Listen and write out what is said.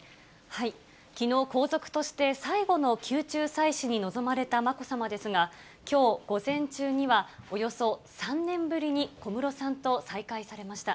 きのう皇族として、最後の宮中祭祀に臨まれたまこさまですが、きょう午前中には、およそ３年ぶりに小室さんと再会されました。